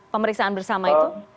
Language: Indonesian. pemeriksaan bersama itu